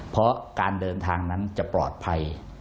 เพราะการเดินทางนั้นจะปลอดภัย